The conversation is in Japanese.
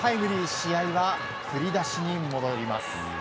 試合は振り出しに戻ります。